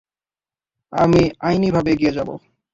আমি আইনিভাবে এগিয়ে যাবো।